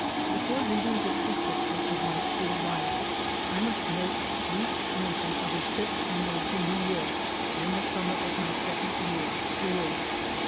Before leaving this description of my school life, I must make brief mention of a trip I made to New York during the summer of my second year at school.